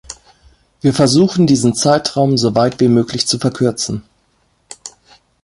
Wir versuchen, diesen Zeitraum soweit wie möglich zu verkürzen.